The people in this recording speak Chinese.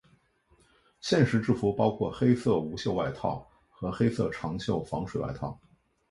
现时制服包括黑色无袖外套和黑色长袖防水外套。